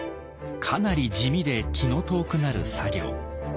かなり地味で気の遠くなる作業。